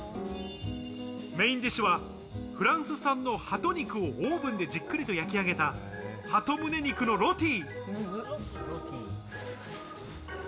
メインディッシュは、フランス産の鳩肉をオーブンでじっくりと焼き上げた、鳩胸肉のロティ。